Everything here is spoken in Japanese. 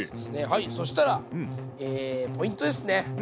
はいそしたらポイントですね。